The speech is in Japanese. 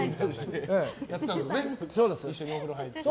一緒にお風呂入って。